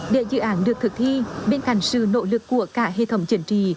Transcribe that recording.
để dự án được thực thi bên cạnh sự nỗ lực của cả hệ thống chuyển trì